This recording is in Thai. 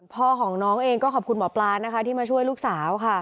พ่อของน้องเองก็ขอบคุณหมอปลานะคะที่มาช่วยลูกสาวค่ะ